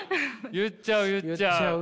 言っちゃう言っちゃう。